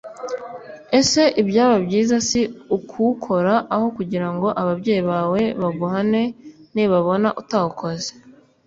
ese ibyaba byiza si ukuwukora aho kugira ngo ababyeyi bawe baguhane nibabona utawukoze